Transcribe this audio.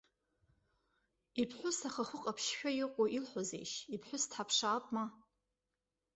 Иԥҳәыс ахахәы ҟаԥшьшәа иҟоу илҳәозеишь, иԥҳәыс дҳаԥшаап ма.